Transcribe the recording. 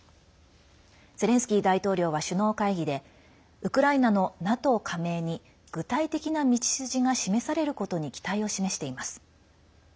ゼレンスキー大統領は首脳会議でウクライナのＮＡＴＯ加盟に具体的な道筋が示されることに期待を示しています。